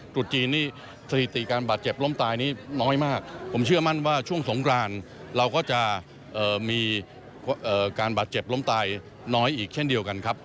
ฟังเสียงประหลัดกระทรวงการท่องเที่ยวและกีฬาค่ะ